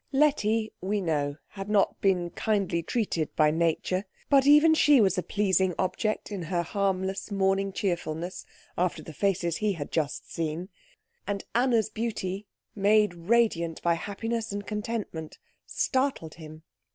Letty, we know, had not been kindly treated by nature, but even she was a pleasing object in her harmless morning cheerfulness after the faces he had just seen; and Anna's beauty, made radiant by happiness and contentment, startled him.